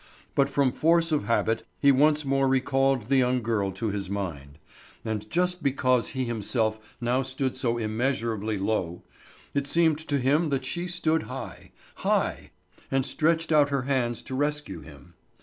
But from force of habit he once more recalled the young girl to his mind; and just because he himself now stood so immeasurably low, it seemed to him that she stood high high, and stretched out her hands to rescue him.